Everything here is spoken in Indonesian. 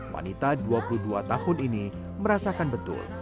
wanita dua puluh dua tahun ini merasakan betul